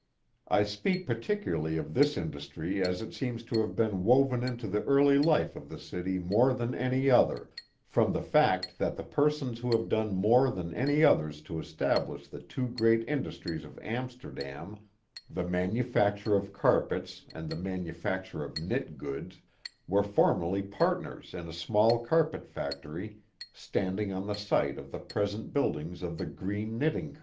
I speak particularly of this industry as it seems to have been woven into the early life of the city more than any other, from the fact that the persons who have done more than any others to establish the two great indus tries of Amsterdam — the manufacture of carpets and the manufacture of knit goods — were formerly partners in a small carpet factory standing on the site of the present buildings of the Greene Knitting Co.